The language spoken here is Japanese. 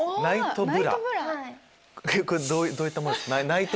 これどういったものですか？